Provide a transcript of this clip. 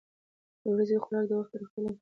د ورځني خوراک وخت د روغتیا لپاره مهم دی.